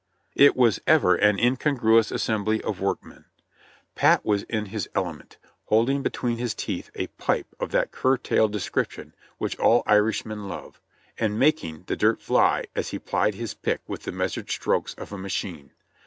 It was ever an incongruous assembly of workmen. Pat was in BREAKING IN THE VOLUNTEERS 47 his element, holding between his teeth a pipe of that curtailed description which all Irishmen love, and making the dirt fly as he plied his pick with the measured strokes of a machine.